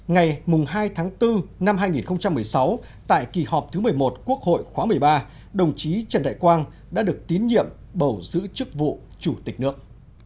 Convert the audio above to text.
ngày hai tháng bốn năm hai nghìn một mươi sáu tại kỳ họp thứ một mươi một quốc hội khóa một mươi ba đồng chí trần đại quang đã được tín nhiệm bầu giữ chức vụ chủ tịch nước